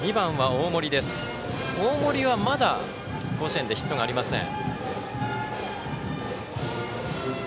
大森は、まだ甲子園でヒットがありません。